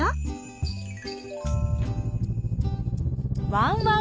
ワンワン